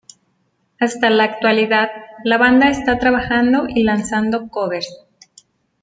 Hasta la actualidad, la banda está trabajando y lanzando covers.